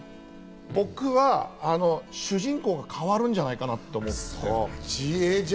僕は主人公が変わるんじゃないかなと思っていて。